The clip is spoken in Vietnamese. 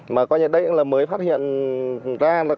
mới phát hiện ra